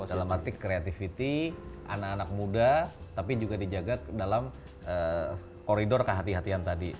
dalam arti creativity anak anak muda tapi juga dijaga dalam koridor kehatian kehatian tadi